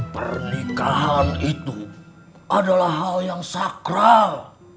pernikahan itu adalah hal yang sakral